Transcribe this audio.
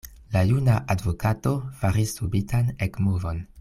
La juna advokato faris subitan ekmovon.